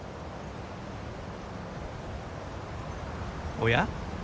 おや？